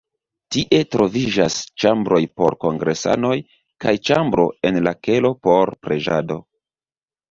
Tie troviĝas ĉambroj por kongresanoj kaj ĉambro en la kelo por preĝado.